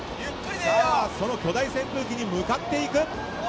その巨大扇風機に向かっていく。